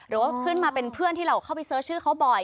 หรือว่าขึ้นมาเป็นเพื่อนที่เราเข้าไปเสิร์ชชื่อเขาบ่อย